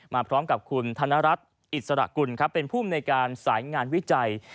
มาพร้อมกับคุณธนรัฐอิสระกุลครับเป็นภูมิในการสายงานวิจัย